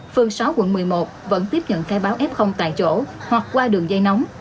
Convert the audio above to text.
phường sáu quận một mươi một vẫn tiếp nhận khai báo f tại chỗ hoặc qua đường dây nóng